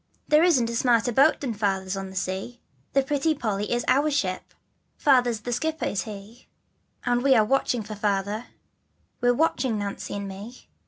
There isn't a smarter boat Than Father's on the sea, The Pretty Polly is our ship, Father's the skipper is he, And we are watching for Father, We're watching, Nancy and me.